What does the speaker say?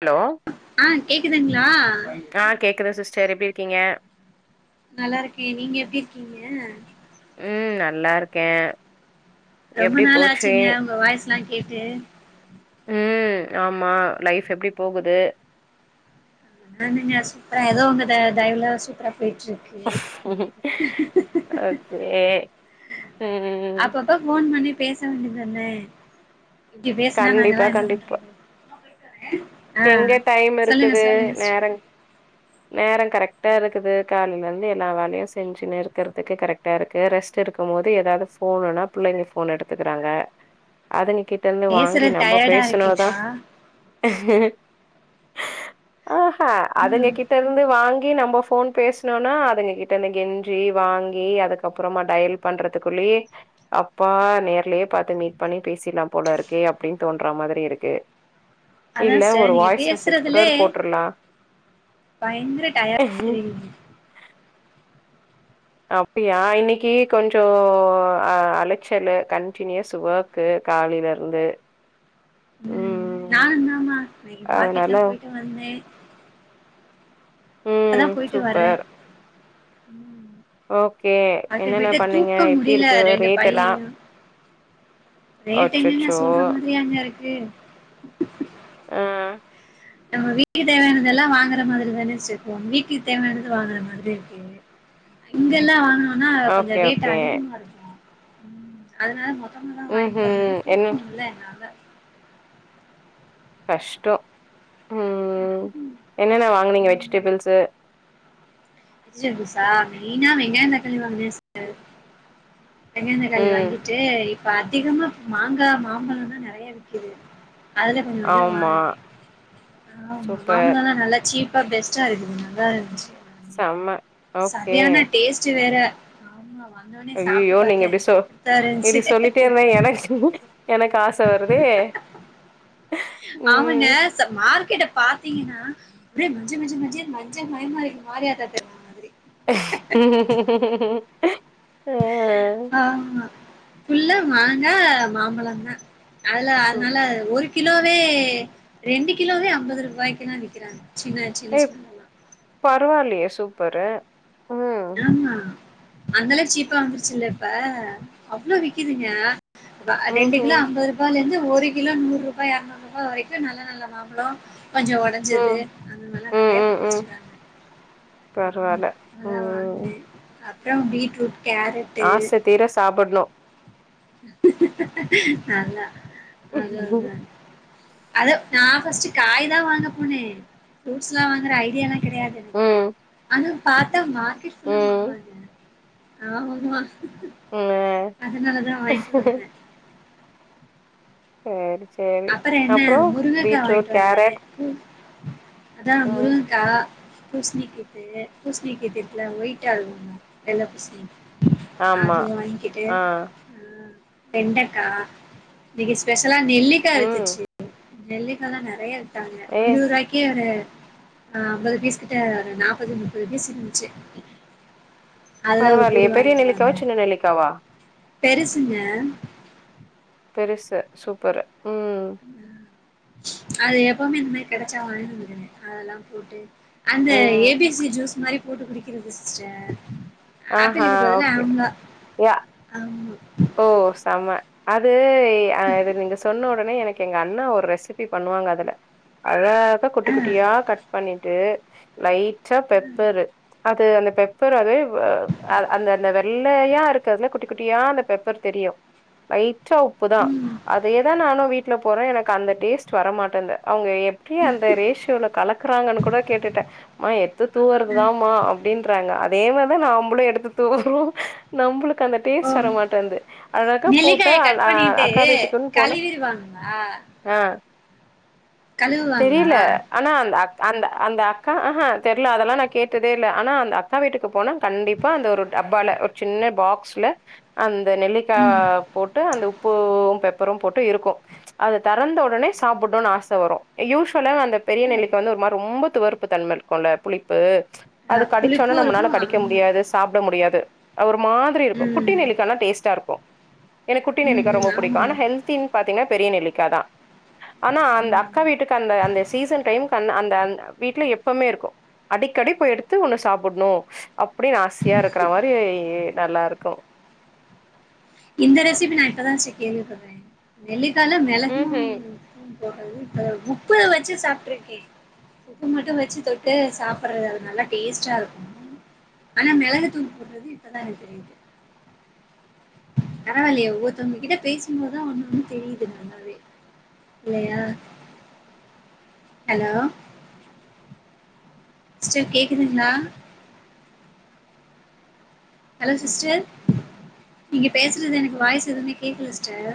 Hello ஆ கேக்குதுங்களா ஆ கேக்குது சிஸ்டர் எப்டி இருக்கீங்க நல்லா இருக்கே நீங்க எப்டி இருக்கீங்க ம் நல்லா இருக்க ரொம்ப நாள் ஆச்சுங்க உங்க வாய்ஸ்ல்லா கேட்டு ம் ஆமா லைஃப் எப்டி போகுது நானங்க சூப்பரா ஏதோ உங்க தயவுல சூப்பரா போய்ட்ருக் ஓகே ம் அப்ப அப்ப ஃபோன் பண்ணி பேச வேண்டிதானா இப்டி பேசனா நாங்கள்லா கண்டிப்பா என்ன கண்டிப்பா பண்றது ஆ எங்க டைம் சொல்லுங்க இருக்குது சொல்லுங்க சிஸ் நேரன் நேரன் கரெக்டா இருக்குது காலைல இருந்து எல்லா வேலயும் செஞ்சுனு இருக்கற்துக்கு கரெக்டா இருக்கு ரெஸ் எடுக்கும் போது ஏதாவது ஃபோன்னுனா புள்ளைங்க போன் எடுத்துக்கறாங்க அதுங்க கி ட்ட இருந்து வாங்கி பேசுறது நம்ப டயர்டா பேசுனாதா இருக்கேப்பா ஆஹா அதுங்க கிட்ட இருந்து வாங்கி நம்ம ஃபோன் பே சுன்னுனா அதுங்க கிட்ட இருந்து கெஞ்சி வாங்கி அதுக்கப்பறமா டயல் பண்றதுக்குள்ளியே அப்பா நேர்லயே பாத்து மீட் பண்ணி பேசிர்லாம் போல இருக்கே அப்டின்னு தோன்ற மாதிரி இருக்கு இல்ல அதான் ஒரு சிஸ்டர் நீங்க வாய்ஸ் மெசேஜ் கூட பேசறதுலே போட்றலா பயங்கர டயாடா தெரியிது அப்டியா இன்னைக்கி கொஞ்சோ அலச்சல்லு கண்டினியூஸ் ஒர்க் கு காலைல இருந்து ம் நா இந்த மாத்ரி அதனால மார்க்கெட்லா போயிட்டு வந்தே இப்பதா ம் போய்ட்டு வர்ற சூப்பர் ஓகே அத என்னென்ன விட பண்ணீங்க தூக்க எப்டி முடில இருக்கு ரெண்டு ரேட் எல்லா பையயு ரேட் எங்கங்க அச்சச்சோ சொல்ற மாதியாங்க இருக்கு அ நம்ம வீட்டுக்கு தேவயானதெல்லா வாங்குற மாதிரி தான சிஸ்டர் இருக்கு ஒன் வீக்கு தேவயானது வாங்குற மாதிரி இருக்கு இங்கல்லா வாங்குனோம்னா கொஞ்சோ ரேட்டு் அதிகமா இருக்கு அதனால மொத்தமா தா வாங்கிட்டு வர்ரது தூக்க முல்ல என்னால கஸ்டோ ம் என்னென்ன வாங்குனீங்க வெஜிடெபில்ஸ்சு வெஜிடபிள்ஸ்சா மெயினா வெங்காயோ தக்காளி வாங்கினே சிஸ்டர் வெங்காயோ தக்காளி ம். வாங்கிட்டு இப்ப அதிகமா மாங்கா மாம்பழோ தா நெறயா விக்குது அதுல கொஞ்சோ கொஞ்சோ ஆமா. வாங்குனே ஆமா சூப்பர். மாம்பழோலா நல்லா சீப் பா பெஸ்டா இருக்குது நல்லா இருந்த்ச்சு செம சரியானா டேஸ்டு வேற ஆமா வந்தோனே சாப்ட்டு அய்யயோ நீங்க பாத்தேன் எப்டி சொ அப்படித்தான் இருந்துச்சு இப்டி சொல்லிட்டே இருந்தா எனக்கு எனக்கு ஆச வருதே ஆமாங்க ம். ச மார்க்கெட்ட பாத்தீங்கன்னா ஓரே மஞ்ச மஞ்ச மஞ்சேல்னு மஞ்ச மயமா இருக்கு மாரியாத்தா தெரு ஆ. ஆமா ஃபுல்லா மாங்கா மாம்பழந்தா அதுல அதனால சூப்பர். ஒரு கிலோவே ரெண்டு கிலோவே அம்பது ரூபாய்க்கு தா விக்கிறாங்க சின்ன சின்ன சின்ன பருவால்லயே சூப்பரு ம். ஆமா அந்தளவு சீப்பா வந்துருச்சுல்ல இப்ப அவ்ளோ விக்குதுங்க அ ரெண்டு கிலோ ம்ஹ்ம். அம்பது ரூ அப்பாலேருந்து ஒரு கிலோ நூரூபா எரநூறு ரூபா வரைக்கு நல்ல நல்ல மாம்பழோ கொஞ்ச ஒடஞ் ஞ்சது ம். அதனால நெறைய பரிச்சிருவே பரவால அதா வாங்னே அப்றோ பீட்ரூட் கேரட் ஆச தீர சாப்புட்ணு நல்லா அதா ம், அதா அத நா ஃபர்ஸ்டு காய் தா வாங்க போனே ஃப்ரூட்ஸ்லா வாங்குற ஐடியாலா தெரியாது எனக்கு ம், ஆனா பாத்தா மார்கெட் ஃபுல்லா மாங்காதா ம். இருக்கு ஆமா ஆமா ம். அதுனாலதா சேரி சேரி அப்புற என்ன முருங்ககா வாங்கிட்டு வந்தே ம் அதா ம். முருங்கக்கா பூஸ்ணிக்கு இது பூஷ்ணி கீத்து இருக்குல ஒயிட்டா இருக்குமோ வெள்ள பூஷ்ணி ஆமா. அது வாங்கிட்டு ஆ. அ வெண்டக்கா இன்னைக்கு ஸ்பெஷலா நெல்லிக்கா ம். வித்துச்சு நெல்லிக்கா தா நெறைய வித்தாங்க ஏ இருவது ரூவாய்க் கி ஒரு அ அம்பது பீஸ் கிட்ட ஒரு நாப்பது முப்பது பீஸ் இருந்துச்சு அதுல ஒரு பரவால்லயே கூறு பெரிய வாங்கிட்டு நெல்லிக்காவா வந்தே சின்ன நெல்லிக்காவா பெருசுங்க பெருசு சூப்பரு ம் ஆ அது எப்பவ்மே இந்த மாரி கெடச்சா வாங்கினு வந்துருவே அ அதலா போட்டு அந்த ம். ஏ பி சி ஜூஸ் மாரி போட்டு குடிக்கிறது சிஸ்டர் ஆஹா! ஆப்பிளுக்கு பதிலா ஓகே. ஆம்லா யா ஆமா ஓ செம அது அ இது நீங்க சொன்ன ஒடனே எனக் கு எங்க அண்ணா ஒரு ரெசிபி பண்ணுவாங்க அதுல அழகா ஆ குட்டி குட்டியா கட் பண்ணிட்டு லைட்டா பெப்பரு அது அந்த பெப்பரவே அ அத அந்த அந்த வெள்ளையா இருக்கதுல குட்டி குட்டியா அந்த பெப்பர் தெரியு லைட்டா உப்பு தா ம் அதயேதா நானு வீட்ல போறொ எனக்கு அந்த டேஸ்ட் வரமாட்டென்து அவுங்க எப்டி அந்த ரேஷ்யோல கலக் க்குறாங்கன் கூட கேட்டுட்டே அம்மா எட்த்து அ தூவுறதுதாமா அ ப்டின்றாங்க அதே மாரிதா நாம்பளு எடுத்து தூவுறோ நம்பளுக்கு அந்த ஓ டேஸ்ட் வர மாட் டென்து அழகா போட்டா நெல்லிக்காய அ கட் ஆ பண்ணிட்டு அக்கா வீட்டுக்குன் போனா கழுவிருவாங்களா ஆ கழுவுவாங்களா தெரியில ஆனா அந்த அக் அந்த அந்த அக்கா அஹா தெர்ல அதெல்லா நா கேட்டதே இல்ல ஆனா அந்த அக்கா வீட்டுக்கு போனா கண்டிப்பா அந்த ஒரு டப்பால ஒரு சின்ன பாக்ஸ்ல அந்த நெல்லிக்கா ம் போட்டு அந்த உப்பு பெப்பரு போட்டு இருக்கு அது தெறந்த ஒடனே சாப்புட்னுன் ஆச வரு யூஷ்வலாவெ அந்த பெரிய அ நெல்லிக்கா வந்து ஒரு மார் ரொம்ப துவர்ப்பு தன்மல் குல்ல புளிப்பு அது அ கடிச்சோனா புளிப்பு இருக்கு நம்மனால கடிக்க ஆமா முடியாது சாப்ட முடியாது அ ஒரு மாதிரி இருக்கு குட்டி ம் நெல்லிக்கான டேஸ்ட்டா இருக்கு எனக் குட்டி ம் நெல்லிக்கா ம் ரொம்ப புடிக்கு ஆமா ஆனா ஹெல்தின் பாத்தீங்னா பெரிய நெல்லிக்கா தா ஆனா அந்த ம் அக்கா வீட்டுக்கு அந்த அந்த சீசன் டைம்க்கு அண் அந்த அந் வீட்ல எப் பமே இருக்கு அடிக்கடி போய் எடுத்து ஒன்னு சாப்புட்னு அப்புடின் ஆசையா இருக்குற மாரி நல்லாருக்கு இந்த ரெசிபி நா இப்பதாஸ்ட கேள்விப்பட்றே நெல்லிக்கால மெளகு ம்ஹூம் [unintelligible] போர்றது இப்ப உப்பு வச்சு சாப்ட்டுருக்கே உப்பு மட்டு வச்சு தொட்டு சாப்புறது அது நல்லா டேஸ்ட்டா இருக்கு ஆனா மெளகுத் தூள் போட்றது இப்பதா எனக்கு தெரியிது பரவால்லயே ஒவ்வொர்த்தவுங்ககிட்ட பேசும்போதுதா ஒன்னொன்னு தெரியிது நல்லாவே இல்லையா ஹலோ சிஸ்டர் கேக்குதுங்ளா? ஹலோ சிஸ்டர் நீங்க பேசுறது எனக்கு வாய்ஸ் எதுவ்மே கேக்லஸ்டர்